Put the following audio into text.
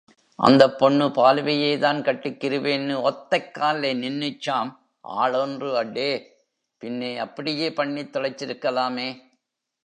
அந்தப் பொண்ணு பாலுவையேதான் கட்டிக்கிருவேன்னு ஒத்தக்கால்லே நின்னுச்சாம் ஆள் ஒன்று அடே, பின்னே அப்படியே பண்ணித் தொலைச்சிருக்கலாமே.